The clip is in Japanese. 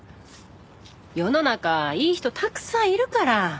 世の中いい人たくさんいるから。